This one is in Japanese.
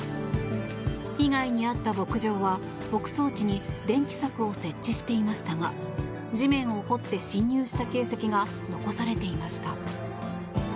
被害に遭った牧場は牧草地に電気柵を設置していましたが地面を掘って侵入した形跡が残されていました。